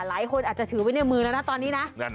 หลายคนอาจจะถือไว้ในมือแล้วนะตอนนี้นะ